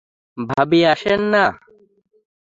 ভাবি, আসেন না।